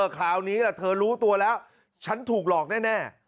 คราวนี้ล่ะเธอรู้ตัวแล้วฉันถูกหลอกแน่